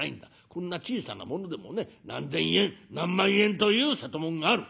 こんな小さなものでもね何千円何万円という瀬戸物がある」。